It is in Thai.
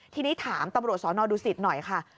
ทีนี้ถามตำรวจสนดูสิตหน่อยค่ะ